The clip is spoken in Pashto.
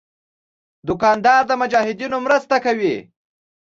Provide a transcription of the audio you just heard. دوکاندار د مجاهدینو مرسته کوي.